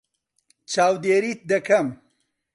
چاودێریت دەکەم.